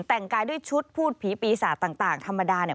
แต่งกายด้วยชุดพูดผีปีศาสตร์ต่างธรรมดา